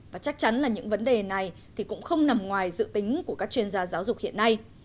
và chắc chắn là những vấn đề này thì cũng không nằm ngoài dự tính của các chuyên gia giáo dục hiện nay